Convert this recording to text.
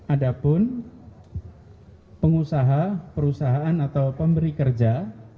adapun pengusaha perusahaan atau pemberi kerja